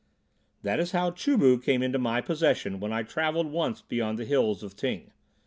That is how Chu bu came into my possession when I travelled once beyond the hills of Ting.